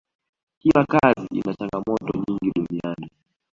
kila kazi ina changamoto nyingi duniani